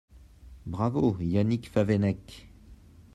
Bravo, Yannick Favennec